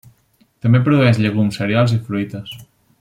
També produeix llegums, cereals i fruites.